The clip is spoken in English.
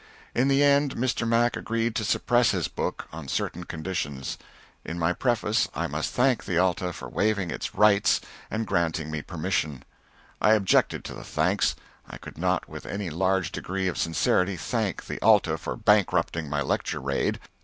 In the end Mr. Mac agreed to suppress his book, on certain conditions: in my preface I must thank the "Alta" for waiving "rights" and granting me permission. I objected to the thanks. I could not with any large degree of sincerity thank the "Alta" for bankrupting my lecture raid.